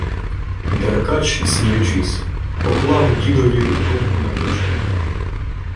Деркач, сміючись, поклав дідові руку на плече.